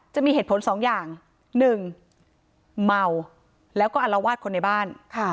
จะมีเหตุผลสองอย่างหนึ่งเมาแล้วก็อลวาดคนในบ้าน